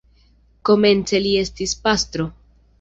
Komence li estis pastro.